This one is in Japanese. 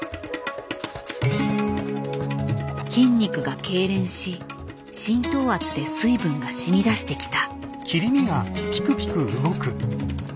筋肉が痙攣し浸透圧で水分がしみだしてきた。